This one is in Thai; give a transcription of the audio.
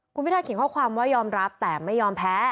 คุณพิทาเขียนข้อความว่ายอมรับแต่ไม่ยอมแพ้